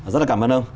rất là cảm ơn ông